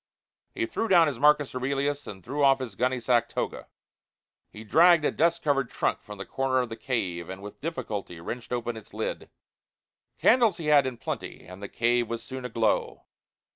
He threw down his Marcus Aurelius and threw off his gunny sack toga. He dragged a dust covered trunk from a corner of the cave, and with difficulty wrenched open its lid. Candles he had in plenty, and the cave was soon aglow.